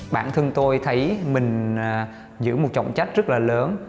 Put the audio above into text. bản thân tôi thấy mình giữ một trọng trách rất là lớn